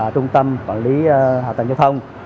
trung tâm quản lý hạ tầng giao thông